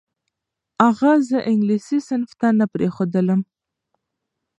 اغا زه انګلیسي صنف ته نه پرېښودلم.